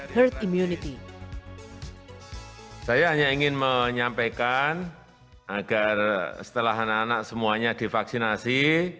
herd immunity saya hanya ingin menyampaikan agar setelah anak anak semuanya divaksinasi